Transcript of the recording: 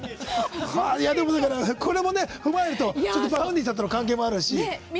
これも踏まえるとＶａｕｎｄｙさんとの関係もあるし。